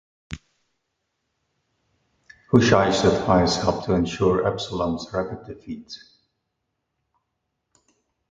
Hushai's advice helped to ensure Absalom's rapid defeat.